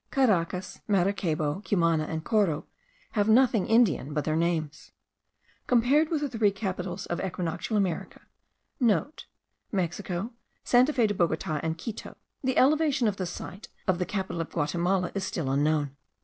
Caracas, Maracaybo, Cumana, and Coro, have nothing Indian but their names. Compared with the three capitals of equinoctial America,* (* Mexico, Santa Fe de Bogota, and Quito. The elevation of the site of the capital of Guatimala is still unknown.